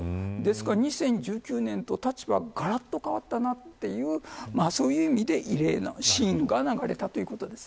２０１９年と立場ががらっと変わったなというそういう意味で異例なシーンが流れたということです。